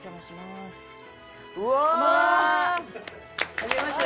はじめまして。